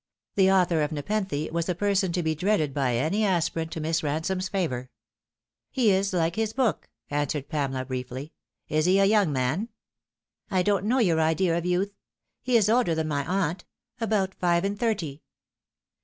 The author of Nepenthe was a person to be dreaded by any aspirant to Miss Ransome's favour. " He is like his book," answered Pamela briefly. " Is he a young man ?"" I don't know your idea of youth. He is older than my aunt about five and thirty."